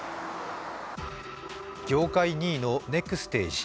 業界２位のネクステージ。